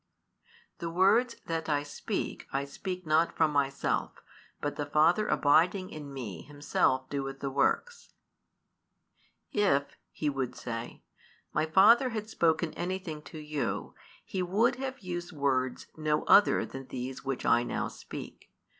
The words that I speak, I speak not from Myself: but the Father abiding in Me Himself doeth the works. "If," He would say, "My Father had spoken anything to you, He would have used words no other than these which I now speak.